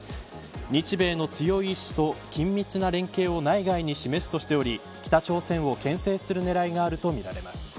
日米の強い意思と緊密な連携を内外に示すとしており北朝鮮をけん制する狙いがあるとみられます。